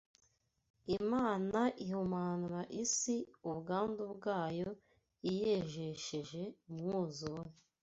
Imana ihumanura isi ubwandu bwayo iyejesheje umwuzure